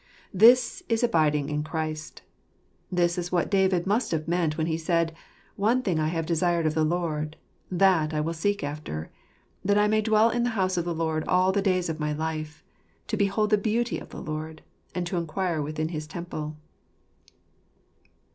This is abiding in Christ; this is what David must have meant when he said, "One thing have I desired of the Lord, that will I seek after, that I may dwell in the house of the Lord all the days of my life : to behold the beauty of the Lord, and to inquire in his temple."